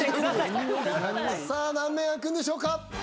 さあ何面あくんでしょうか？